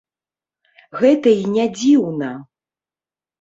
Гэта і не дзіўна.